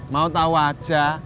mau tau aja